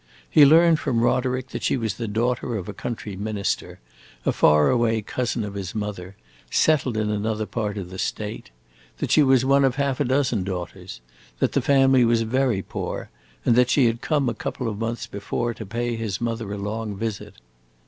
He learned from Roderick that she was the daughter of a country minister, a far away cousin of his mother, settled in another part of the State; that she was one of a half a dozen daughters, that the family was very poor, and that she had come a couple of months before to pay his mother a long visit.